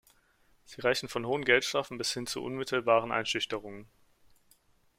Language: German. Sie reichen von hohen Geldstrafen bis hin zu unmittelbaren Einschüchterungen.